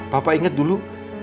papa inget dulu